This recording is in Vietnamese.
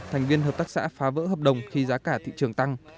thành viên hợp tác xã phá vỡ hợp đồng khi giá cả thị trường tăng